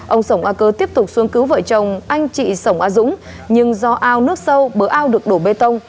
ông sổng a cơ tiếp tục xuống cứu vợ chồng anh chị sổng a dũng nhưng do ao nước sâu bỡ ao được đổ bê tông